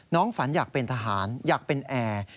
ฝันอยากเป็นทหารอยากเป็นแอร์